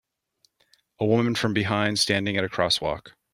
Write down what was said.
A woman from behind standing at a crosswalk.